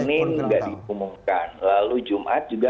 tidak diumumkan lalu jumat juga